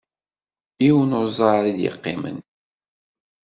Yiwen uẓar i d-yeqqimen.